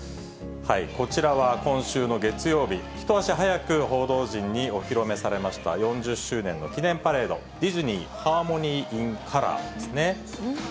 こちらは今週の月曜日、一足早く報道陣にお披露目されました、４０周年の記念パレード、ディズニー・ハーモニー・イン・カラーですね。